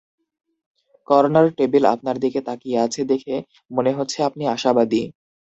Corner table আপনার দিকে তাকিয়ে আছে, দেখে মনে হচ্ছে আপনি আশাবাদী।